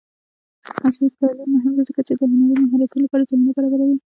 عصري تعلیم مهم دی ځکه چې د هنري مهارتونو لپاره زمینه برابروي.